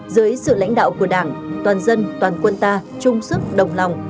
dưới sự lãnh đạo của đảng toàn dân toàn quân ta chung sức đồng lòng